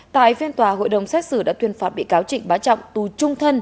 tại phiên tòa hội đồng xét xử đã tuyên phạt bị cáo trịnh bá trọng tù trung thân